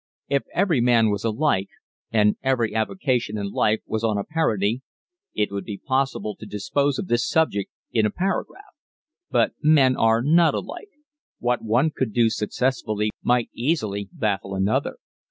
If every man was alike and every avocation in life was on a parity, it would be possible to dispose of this subject in a paragraph. But men are not alike. What one could do successfully might easily baffle another.